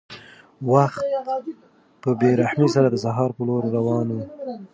وخت په بې رحمۍ سره د سهار په لور روان و.